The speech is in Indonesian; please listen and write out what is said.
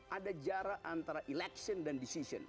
ada jarak antara election dan decision